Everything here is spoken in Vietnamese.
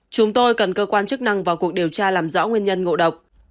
chúng tôi cần cơ quan chức năng vào cuộc điều tra làm rõ nguyên nhân ngộ độc